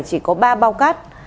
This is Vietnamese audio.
chỉ có ba bao cát